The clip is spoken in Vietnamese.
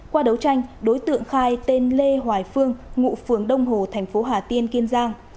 qua đấu tranh đối tượng khai tên lê hoài phương ngụ phường đông hồ thành phố hà tiên kiên giang